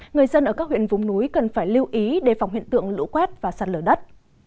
người dân ở các huyện vùng núi cần phải lưu ý đề phòng hiện tượng lũ quét và sạt lở đất